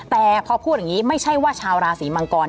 แต่พอพูดอย่างนี้ไม่ใช่ว่าชาวราศีมังกร